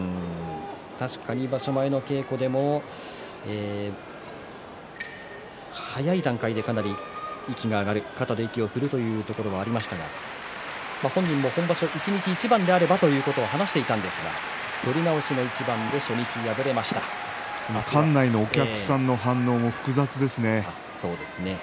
確かに場所前の稽古でも早い段階でかなり息が上がる肩で息をするところがありましたけれども本人も本場所一日一番であればと話していたんですが館内のお客さんの反応も複雑ですね。